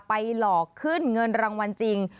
หลอกขึ้นเงินรางวัลจริง